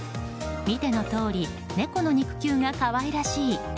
見てのとおり猫の肉球が可愛らしい